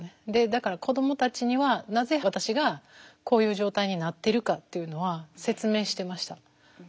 だから子どもたちにはなぜ私がこういう状態になっているかっていうのは説明してました。